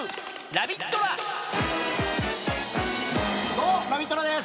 どうもラビットラです。